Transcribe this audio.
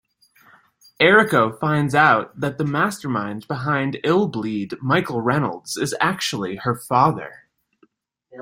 Eriko finds out that the mastermind behind Illbleed, Michael Reynolds, is actually her father.